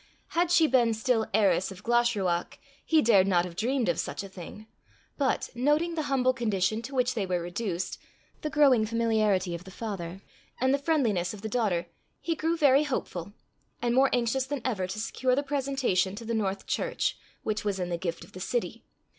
Had she been still heiress of Glashruach, he dared not have dreamed of such a thing, but, noting the humble condition to which they were reduced, the growing familiarity of the father, and the friendliness of the daughter, he grew very hopeful, and more anxious than ever to secure the presentation to the North church, which was in the gift of the city.